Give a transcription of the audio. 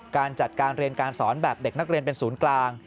การจัดการเรียนการสอนแบบเด็กนักเรียนเป็นศูนย์กลาง